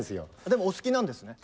でもお好きなんですね。